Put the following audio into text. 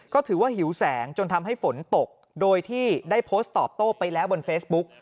ก็ถือว่าหิวแสงจนทำให้ฝนตกโดยที่ได้โพสต์ตอบโต้ไปแล้วบนเฟซบุ๊ก